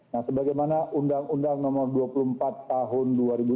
nah sebagaimana undang undang nomor dua puluh empat tahun dua ribu dua